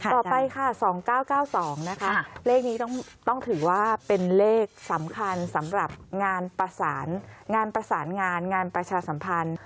ต่อไปค่ะ๒๙๙๒นะคะเลขนี้ต้องถือว่าเป็นเลขสำคัญสำหรับงานประสานงานประสานงานงานประชาสัมพันธ์